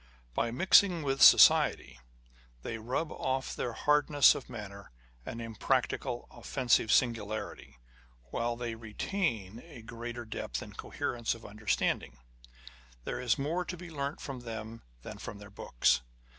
By mixing with society, they rub off their hardness of manner, and imprac ticable, offensive singularity, while they retain a greater On the Conversation of Authors. depth and coherence of understanding. There is more to be learnt from them than from their books.